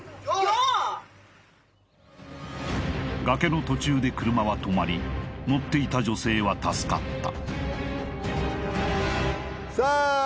崖の途中で車は止まり乗っていた女性は助かったさあ